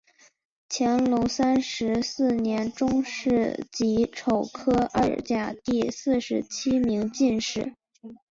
乾隆三十四年中式己丑科二甲第四十七名进士。